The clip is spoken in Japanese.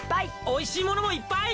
おいしいものもいっぱい！